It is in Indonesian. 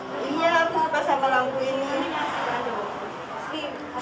iya aku suka sama lampu ini